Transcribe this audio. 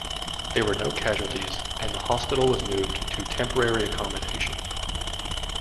There were no casualties, and the hospital was moved to temporary accommodation.